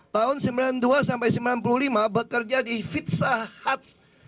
tahun seribu sembilan ratus sembilan puluh dua sampai seribu sembilan ratus sembilan puluh lima bekerja di pizza huts